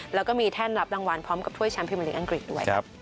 แล้วก็มีแท่นรับรางวัลพร้อมกับถ้วยแชมปิมะลิอังกฤษด้วย